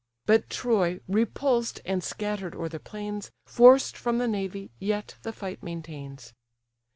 But Troy repulsed, and scatter'd o'er the plains, Forced from the navy, yet the fight maintains.